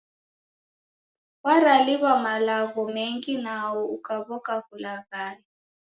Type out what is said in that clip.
Waraliw'a malagho mengi nao ukaw'oka kulaghaya.